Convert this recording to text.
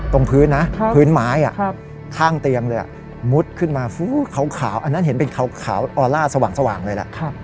ตรงพื้นนะพื้นไม้ข้างเตียงเลยมุดขึ้นมาขาวอันนั้นเห็นเป็นขาวออลล่าสว่างเลยล่ะ